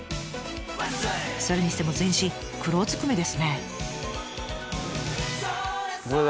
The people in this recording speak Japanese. それにしても全身黒ずくめですね。